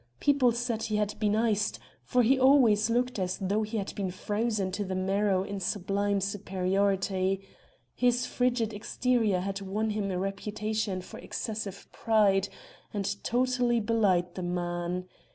People said he had been iced, for he always looked as though he had been frozen to the marrow in sublime superiority; his frigid exterior had won him a reputation for excessive pride, and totally belied the man.